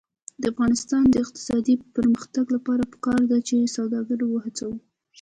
د افغانستان د اقتصادي پرمختګ لپاره پکار ده چې سوداګر وهڅول شي.